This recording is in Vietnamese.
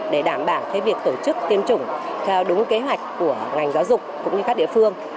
để đảm bảo việc tổ chức tiêm chủng theo đúng kế hoạch của ngành giáo dục cũng như các địa phương